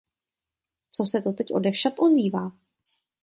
Co se to teď odevšad ozývá?